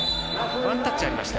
ワンタッチありました